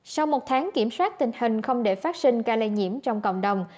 sau một tháng kiểm soát tình hình không để phát sinh ca lây nhiễm trong cộng đồng